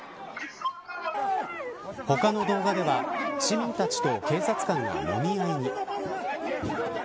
他の動画では市民たちと警察官がもみ合いに。